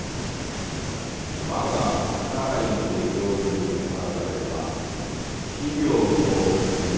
わがはからいにて行ずるにあらざれば非行という。